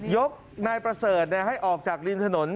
ยกนายประเสริฐให้ออกจากริมถนน